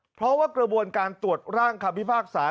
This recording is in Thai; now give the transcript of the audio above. เพราะว่ากระบวนการตรวจร่างคำพิพากษา